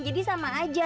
jadi sama aja